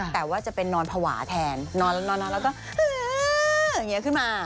แต่ว่าจะเป็นนอนภาวะแทนนอนแล้วนอนแล้วก็อย่างนี้ขึ้นมา